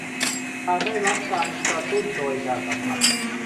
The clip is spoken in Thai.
หากได้รับการกระตุ้นโดยการสัมผัส